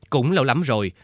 cũng lâu lắm rồi